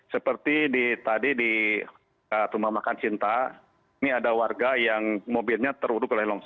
seperti tadi di rumah makan cinta ini ada warga yang mobilnya terlalu berlelong